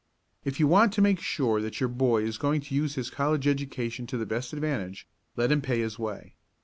If you want to make sure that your boy is going to use his college education to the best advantage, let him pay his way.